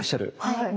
はい。